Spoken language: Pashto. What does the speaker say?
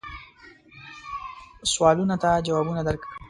سوالونو ته جوابونه درکړم.